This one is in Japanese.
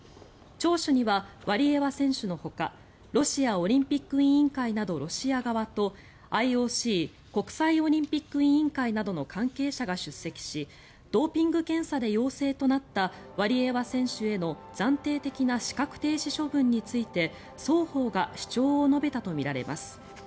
聴取にはワリエワ選手のほかロシアオリンピック委員会などロシア側とＩＯＣ・国際オリンピック委員会などの関係者が出席しドーピング検査で陽性となったワリエワ選手への暫定的な資格停止処分について双方が主張を述べたとみられます。